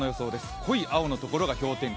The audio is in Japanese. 濃い青のところが氷点下。